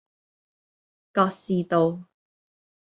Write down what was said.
覺士道